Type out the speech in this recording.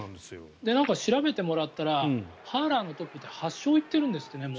調べてもらったらハーラーのトップって８勝に行っているんですってね。